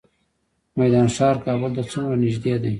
میدان ښار کابل ته څومره نږدې دی؟